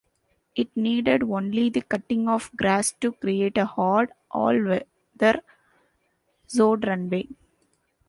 It needed only the cutting of grass to create a hard, all-weather sod runway.